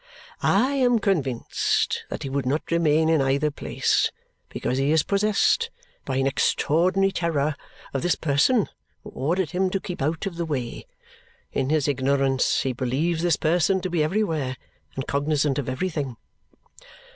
"I am convinced that he would not remain in either place, because he is possessed by an extraordinary terror of this person who ordered him to keep out of the way; in his ignorance, he believes this person to be everywhere, and cognizant of everything."